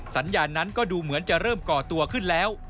สัญญาณนั้นก็ดูเหมือนจะเริ่มก่อตัวขึ้นแล้ว